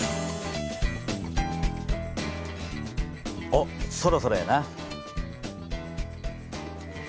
おっそろそろやな。